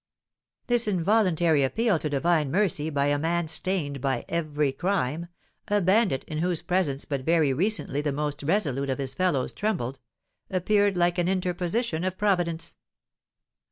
_" This involuntary appeal to divine mercy by a man stained by every crime, a bandit in whose presence but very recently the most resolute of his fellows trembled, appeared like an interposition of Providence.